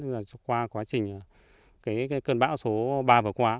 và qua quá trình cái cơn bão số ba vừa qua